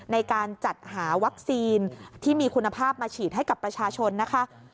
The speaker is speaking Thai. ในการจัดหาวัคซีนที่มีคุณภาพมาฉีดให้กับประชาชนนะคะ